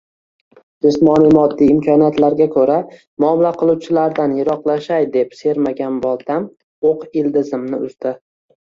jismoniy-moddiy imkoniyatlarga koʼra muomala qiluvchilardan yiroqlashay deb sermagan boltam oʼq ildizimni uzdi.